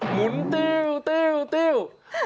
หมุนติ้ว